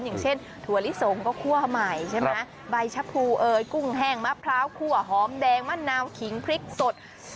อย่างเช่นถั่วลิสงก็คั่วใหม่ใช่ไหมใบชะพูเอยกุ้งแห้งมะพร้าวคั่วหอมแดงมะนาวขิงพริกสด